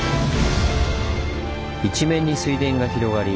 一面に水田が広がり